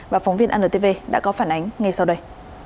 và phóng viên antv đã có phản ánh ngay sau đây